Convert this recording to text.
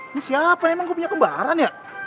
ini siapa emang gue punya kembaran ya